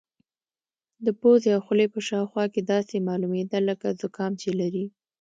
د پوزې او خولې په شاوخوا کې داسې معلومېده لکه زکام چې لري.